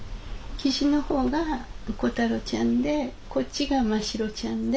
キジの方がコタロちゃんでこっちがマシロちゃんで。